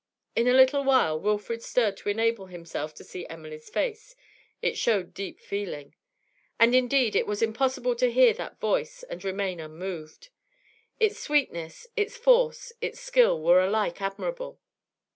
In a little while, Wilfrid stirred to enable himself to see Emily's face; it showed deep feeling. And indeed it was impossible to hear that voice and remain unmoved; its sweetness, its force, its skill were alike admirable.